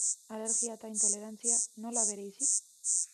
Alergia eta intolerantzia, nola bereizi?